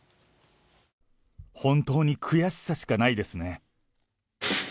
本当に悔しさしかないですね。